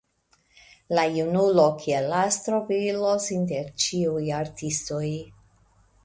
La junulo kiel astro brilos inter ĉiuj artistoj.